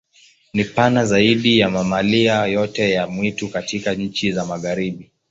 Ni pana zaidi ya mamalia yoyote ya mwitu katika nchi za Magharibi.